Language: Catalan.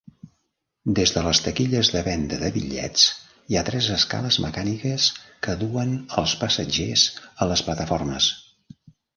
Des de les taquilles de venda de bitllets, hi ha tres escales mecàniques que duen els passatgers a les plataformes.